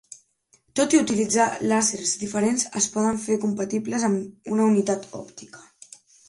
Tot i utilitzar làsers diferents es poden fer compatibles amb una unitat òptica.